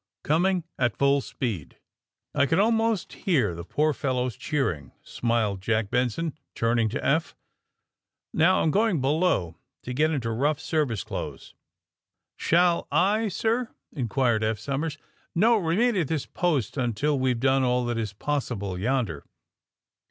Coming at full speed !'' ^'I can almost hear the poor fellows cheer ing, '^ smiled Jack Benson, turning to Eph. ^^Now, I'm going below to get into rough service clothes.'' ^^ Shall I, sir?" inquired Eph Somers. '' No ; remain at this post until we 've done all that is possible yonder."